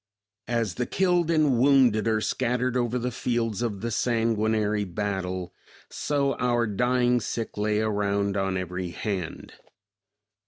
As the killed and wounded are scattered over the fields of the sanguinary battle, so our dying sick lay around on every hand.